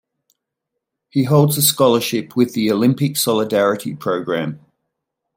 He holds a scholarship with the Olympic Solidarity programme.